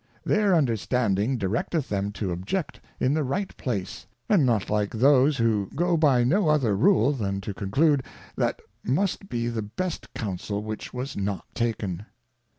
Their Understanding directeth them to object in the right place, and not like those who go by no other Rule, than to conclude. That must be the best Counsel which was not taken.